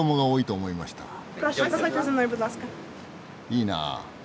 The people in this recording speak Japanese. いいなあ。